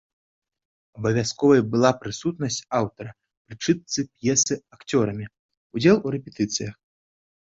Абавязковай была прысутнасць аўтара пры чытцы п'есы акцёрамі, удзел у рэпетыцыях.